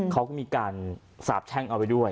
เขาก็มีการสาบแช่งเอาไปด้วย